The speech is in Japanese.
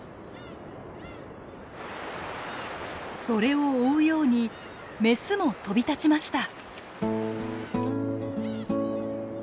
それを追うように雌も飛び立ちました。